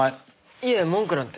いえ文句なんて。